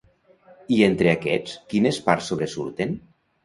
I entre aquests, quines parts sobresurten?